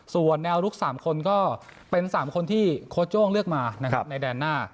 ส่วนแนวลุก๓คนก็เป็น๓คนที่โค้โจ้งเลือกมานะครับในแดนหน้า